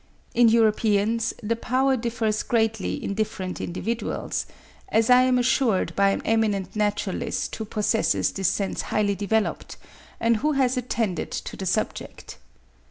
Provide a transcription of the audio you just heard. In Europeans the power differs greatly in different individuals, as I am assured by an eminent naturalist who possesses this sense highly developed, and who has attended to the subject.